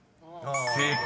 ［正解。